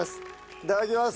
いただきます。